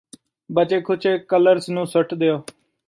ਬਚੇ ਖੁਚੇ ਕਲਰਸ ਨੂੰ ਸੁੱਟ ਦਿਓ